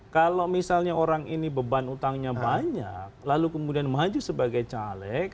kalau misalnya orang ini beban utangnya banyak lalu kemudian maju sebagai caleg